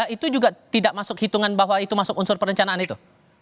itu juga tidak masuk hitungan bahwa itu masuk unsur perencanaan itu